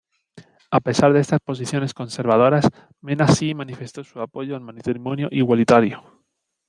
A pesar de estas posiciones conservadoras, Mena sí manifestó su apoyo al matrimonio igualitario.